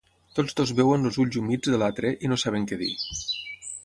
Tots dos veuen els ulls humits de l'altre i no saben què dir.